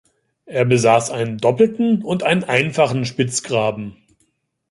Es besaß einen doppelten und einen einfachen Spitzgraben.